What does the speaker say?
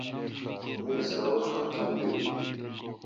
می سبق ختم بیل